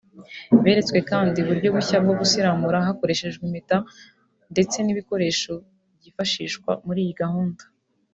Beretswe kandi uburyo bushya bwo gusiramura hakoreshejwe impeta ndetse n’ibikoresho byifashishwa muri iyi gahunda